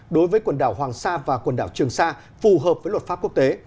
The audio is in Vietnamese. đối với quần đảo hoàng sa và quần đảo trường sa phù hợp với luật pháp quốc tế